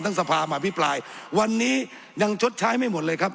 สภามาพิปรายวันนี้ยังชดใช้ไม่หมดเลยครับ